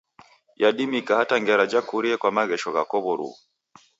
Yadimika hata ngera jakurie kwa maghesho ghako w'oruw'u.